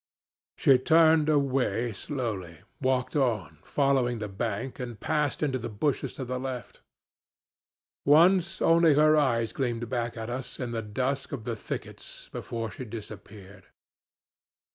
"She turned away slowly, walked on, following the bank, and passed into the bushes to the left. Once only her eyes gleamed back at us in the dusk of the thickets before she disappeared.